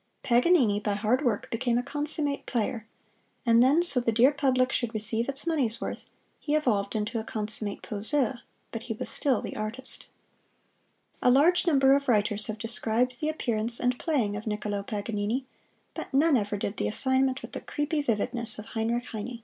Paganini by hard work became a consummate player; and then so the dear public should receive its money's worth, he evolved into a consummate poseur but he was still the Artist. A large number of writers have described the appearance and playing of Niccolo Paganini, but none ever did the assignment with the creepy vividness of Heinrich Heine.